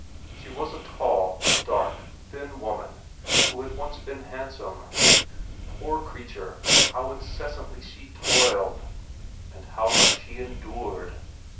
She was a tall, dark, thin woman who had once been handsome. Poor creature how incessantly she toiled, and how much she endured!